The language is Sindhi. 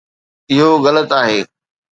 اهو غلط آهي